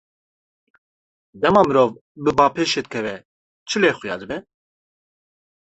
Dema mirov bi bapêşê dikeve, çi lê xuya dibe?